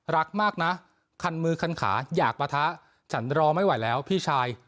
รักมากนะคันมือคันขาอยากปะทะฉันรอไม่ไหวแล้วพี่ชาย